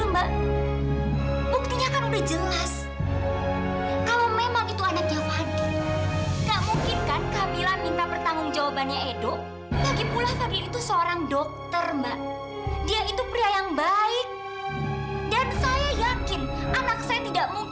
buktinya dia datang ke edo